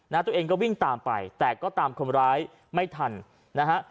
ตัวเองก็วิ่งตามไปแต่ก็ตามคนร้ายไม่ทันนะฮะ